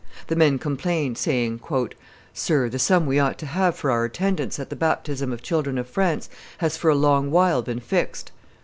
The men complained, saying, "Sir, the sum we ought to have for our attendance at the baptism of children of France has for a long while been fixed."